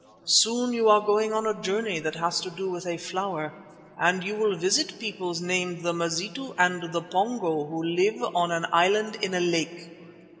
Soon you are going on a journey that has to do with a flower, and you will visit peoples named the Mazitu and the Pongo who live on an island in a lake.